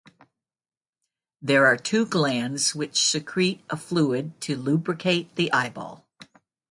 There are two glands which secrete a fluid to lubricate the eyeball.